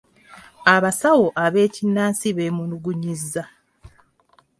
Abasawo ab’ekinnansi beemulugunyizza.